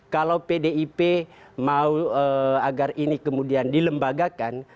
kalau pdip mau agar ini kemudian dilembagakan